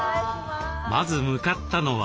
まず向かったのは。